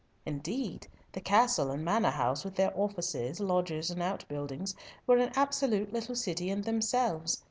Indeed, the castle and manor house, with their offices, lodges, and outbuildings, were an absolute little city in themselves.